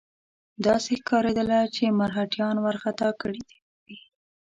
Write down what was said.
داسې ښکارېدله چې مرهټیان وارخطا کړي وي.